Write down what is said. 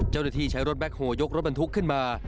เจ้าหน้าที่ใช้รถแคคโฮยกรถบรรทุกขึ้นมา